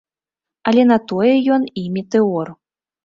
Але на тое ён і метэор.